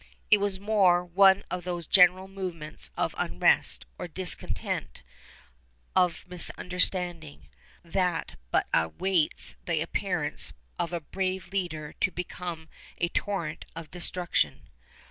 It was more one of those general movements of unrest, of discontent, of misunderstanding, that but awaits the appearance of a brave leader to become a torrent of destruction.